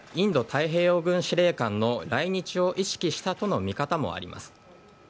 太平洋軍司令官の来日を意識したとの見方もあります。